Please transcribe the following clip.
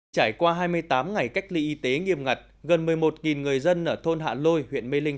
trải qua hai mươi tám ngày cách ly y tế nghiêm ngặt gần một mươi một người dân ở thôn hạ lôi huyện mê linh